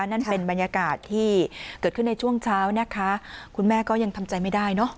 นั่นเป็นบรรยากาศที่เกิดขึ้นในช่วงเช้านะคะคุณแม่ก็ยังทำใจไม่ได้เนอะ